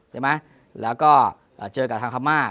แล้วก็เจอกับทางพรรมา